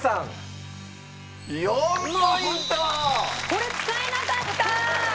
これ使えなかった。